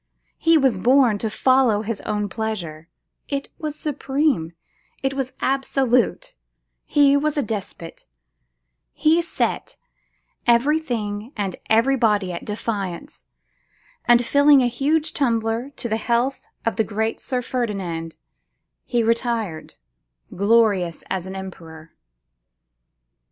He was born to follow his own pleasure; it was supreme; it was absolute; he was a despot; he set everything and everybody at defiance; and, filling a huge tumbler to the health of the great Sir Ferdinand, he retired, glorious as an emperor.